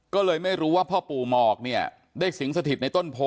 ก็เลยไม่รู้ว่าพ่อปู่หมอกเนี่ยได้สิงสถิตในต้นโพ